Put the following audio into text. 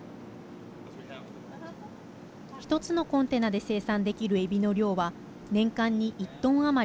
１つのコンテナで生産できるえびの量は年間に１トン余り。